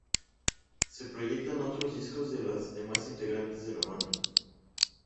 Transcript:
Se proyectan otros discos de los demás integrantes de la banda.